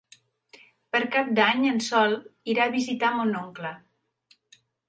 Per Cap d'Any en Sol irà a visitar mon oncle.